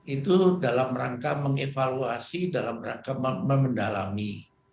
itu dalam rangka mengevaluasi dalam rangka memendalami